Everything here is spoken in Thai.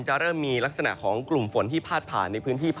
จะเริ่มมีลักษณะของกลุ่มฝนที่พาดผ่าน